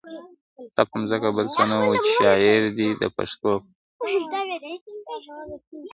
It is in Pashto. ستا پر مځکه بل څه نه وه؟ چي شاعر دي د پښتو کړم ..